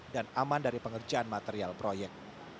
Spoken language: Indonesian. dan aman dari pengerjaan material proyek